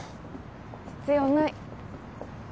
必要ない。